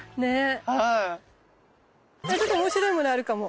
ちょっとおもしろいものあるかも。